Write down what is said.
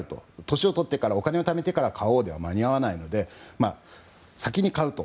年を取って、お金を貯めてから買おうでは間に合わないので先に買うと。